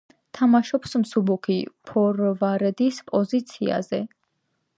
თამაშობს მსუბუქი ფორვარდის პოზიციაზე.